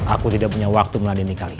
aku tidak punya waktu melatihkan kalian